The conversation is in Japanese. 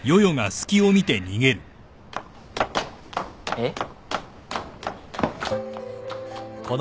えっ？